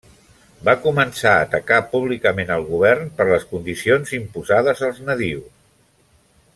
Va començar a atacar públicament al govern per les condicions imposades als nadius.